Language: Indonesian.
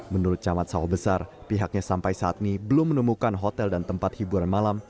menurut camat sawah besar pihaknya sampai saat ini belum menemukan hotel dan tempat hiburan malam